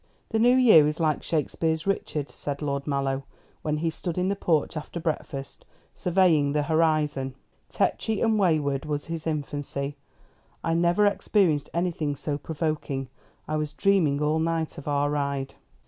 "The new year is like Shakespeare's Richard," said Lord Mallow, when he stood in the porch after breakfast, surveying the horizon. "'Tetchy and wayward was his infancy.' I never experienced anything so provoking. I was dreaming all night of our ride."